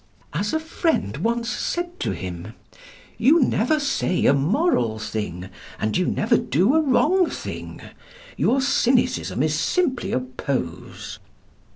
As a friend once said to him, "You never say a moral thing, and you never do a wrong thing. Your cynicism is simply a pose."